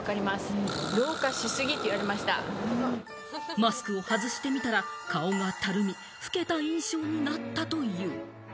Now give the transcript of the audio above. マスクを外してみたら、顔がたるみ、老けた印象になったという。